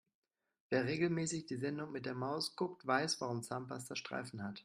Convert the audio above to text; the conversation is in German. Wer regelmäßig die Sendung mit der Maus guckt, weiß warum Zahnpasta Streifen hat.